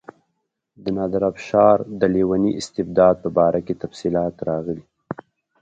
د نادرشاه افشار د لیوني استبداد په باره کې تفصیلات راغلي.